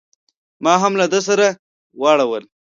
ما هم له ده سره واړول.